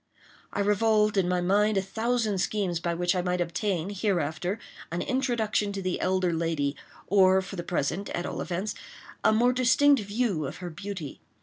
I revolved in my mind a thousand schemes by which I might obtain, hereafter, an introduction to the elder lady, or, for the present, at all events, a more distinct view of her beauty.